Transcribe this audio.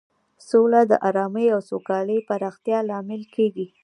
سوله د ارامۍ او سوکالۍ د پراختیا لامل کیږي.